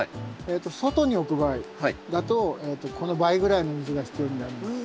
外に置く場合だとこの倍ぐらいの水が必要になります。